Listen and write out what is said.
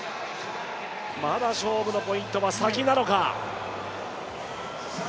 まだ勝負のポイントは先なのか？